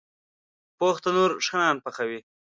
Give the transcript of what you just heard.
پوخ تنور ښه نان پخوي